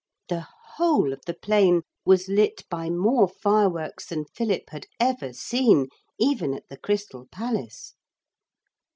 The whole of the plain was lit by more fireworks than Philip had ever seen, even at the Crystal Palace.